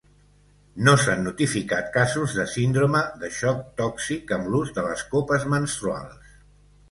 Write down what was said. No s'han notificat casos de síndrome de xoc tòxic amb l'ús de les copes menstruals.